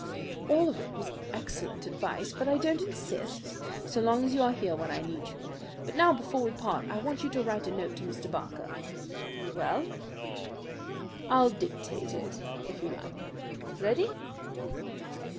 "All of it was excellent advice; but I don't insist, so long as you are here when I need you. But now, before we part, I want you to write a note to Mr. Barker." "Well?" "I'll dictate it, if you like. Ready?